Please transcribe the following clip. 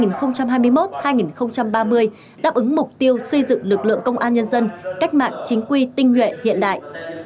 năm hai nghìn hai mươi một hai nghìn ba mươi đáp ứng mục tiêu xây dựng lực lượng công an nhân dân cách mạng chính quy tinh nhuệ hiện đại